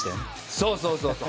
そうそうそうそう。